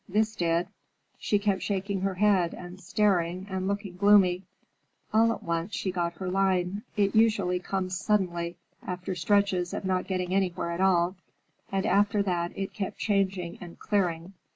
This did. She kept shaking her head and staring and looking gloomy. All at once, she got her line—it usually comes suddenly, after stretches of not getting anywhere at all—and after that it kept changing and clearing.